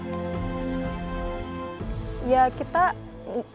mandang ke lebih sejarahnya histori tempat ini gitu aja sih